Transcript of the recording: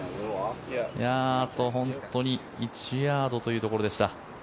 あと本当に１ヤードというところでした。